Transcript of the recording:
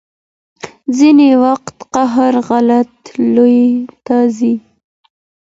ځينې وخت قهر غلط لوري ته ځي.